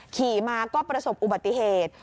ขี่มาก็ประสบอุบัติเหตุ